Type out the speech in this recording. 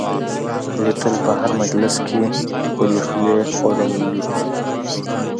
علي تل په هر مجلس کې خپلې خولې خوړلی وي.